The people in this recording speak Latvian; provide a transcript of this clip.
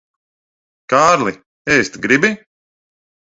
Kārli, ēst gribi?